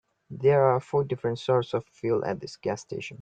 There are four different sorts of fuel at this gas station.